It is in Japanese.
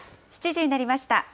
７時になりました。